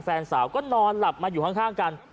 แฟนสาวก็นอนหลับมาอยู่ข้างกัน